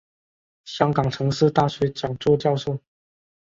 香港城市大学讲座教授。